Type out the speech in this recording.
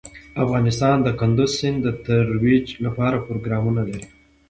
افغانستان د کندز سیند د ترویج لپاره پروګرامونه لري.